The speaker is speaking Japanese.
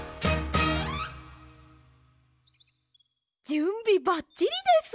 じゅんびばっちりです！